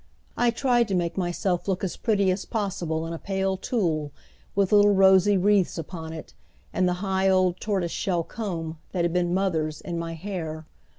I tried to make myself look as pretty as possible in a pale tulle, with little rosy wreaths upon it, and the high old tortoise shell comb, that had been mother's, in my hair.